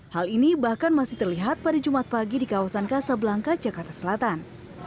hal ini bahkan masih terlihat pada jumat pagi di kawasan kasablangka jakarta selatan